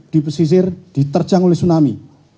diterjang oleh tsunami